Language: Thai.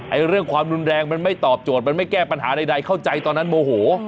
เรื่องความรุนแรงมันไม่ตอบโจทย์มันไม่แก้ปัญหาใดเข้าใจตอนนั้นโมโห